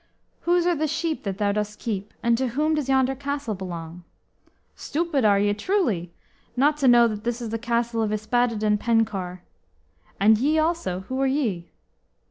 "Whose are the sheep that thou dost keep, and to whom does yonder castle belong?" "Stupid are ye, truly! not to know that this is the castle of Yspadaden Penkawr. And ye also, who are ye?"